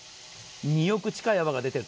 ２億近い泡が出ている。